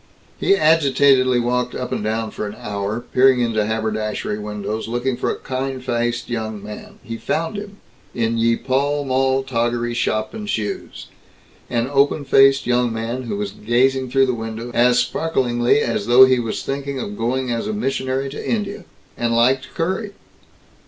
He agitatedly walked up and down for an hour, peering into haberdashery windows, looking for a kind faced young man. He found him, in Ye Pall Mall Toggery Shoppe & Shoes; an open faced young man who was gazing through the window as sparklingly as though he was thinking of going as a missionary to India and liked curry.